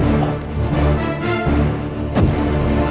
tidak ada yang bisa dikawal